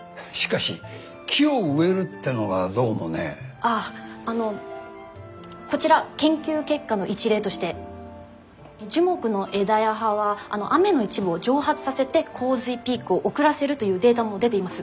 あああのこちら研究結果の一例として樹木の枝や葉は雨の一部を蒸発させて洪水ピークを遅らせるというデータも出ています。